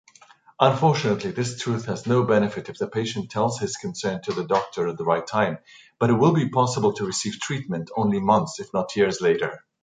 Unfortunately, this truth has no benefit if the patient tells his concern to the doctor at the right time, but it will be possible to receive treatment only months, if not years later.